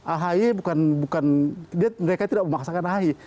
ahi bukan bukan mereka tidak memaksakan ahi